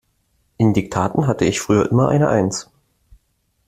In Diktaten hatte ich früher immer eine eins.